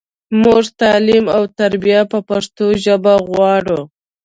مونږ تعلیم او تربیه په پښتو ژبه غواړو